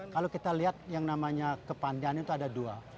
kalau kita lihat yang namanya kepandian itu ada dua